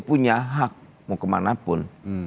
punya hak mau kemanapun